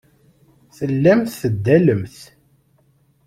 Tellamt teddalemt.